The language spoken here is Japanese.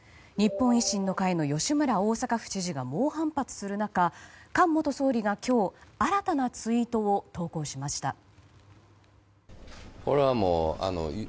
日本維新の会の吉村大阪府知事が猛反発する中菅元総理が今日新たなツイートを投稿しました。